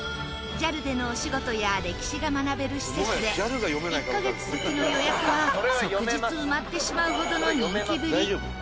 ＪＡＬでのお仕事や歴史が学べる施設で１カ月先の予約は即日埋まってしまうほどの人気ぶり。